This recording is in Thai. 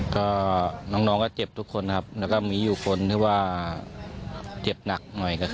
คุณพี่เป็นคนอุ้ม